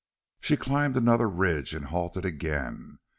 She climbed another ridge and halted again.